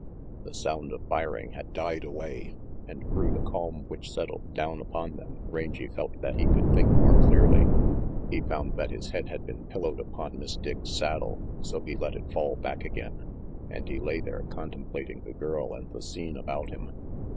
The sound of firing had died away, and through the calm which settled down upon them Rangy felt that he could think more clearly. He found that his head had been pillowed upon Miss Dick's saddle, so he let it fall back again, and he lay there contemplating the girl and the scene about him.